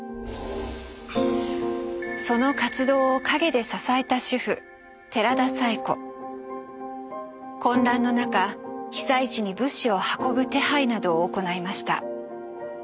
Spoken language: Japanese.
その活動を陰で支えた混乱の中被災地に物資を運ぶ手配などを行いました。